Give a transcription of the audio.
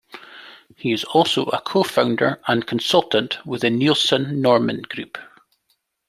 He is also a co-founder and consultant with the Nielsen Norman Group.